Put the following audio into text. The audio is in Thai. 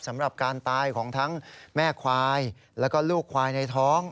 สำหรับการตายของทั้งแม่ควายแล้วก็ลูกควายในท้อง